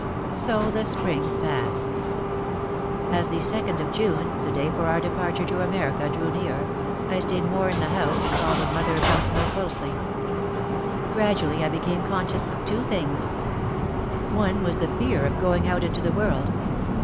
So the Spring passed. As the second of June, the day for our departure to America, drew near, I stayed more in the house and fol lowed mother about more closely. Gradually I became conscious of two things. One was the fear of going out into the world.